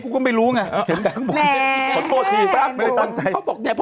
กูก็ไม่รู้ไงเห็นแต่ข้างบนขอโทษพี่ก็ไม่ตั้งใจเขาบอกเนี้ย